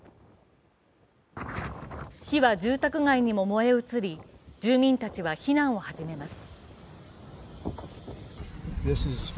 火は住宅街にも燃え移り、住民たちは避難を始めます。